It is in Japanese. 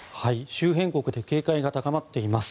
周辺国で警戒が高まっています。